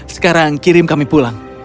sekarang kirim kami pulang